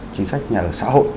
chính sách nhà ở xã hội